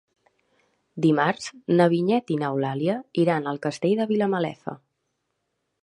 Dimarts na Vinyet i n'Eulàlia iran al Castell de Vilamalefa.